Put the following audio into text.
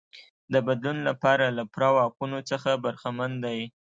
د بدلون لپاره له پوره واکونو څخه برخمن دی.